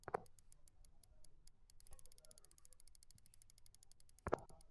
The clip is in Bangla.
তিনি বলছিলেন, ওবামা যখন নির্বাচন করেছেন, তখনো তিনি একই কাজ করেছেন।